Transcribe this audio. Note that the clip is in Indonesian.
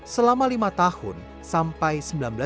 selama lima tahun sampai seribu sembilan ratus sembilan puluh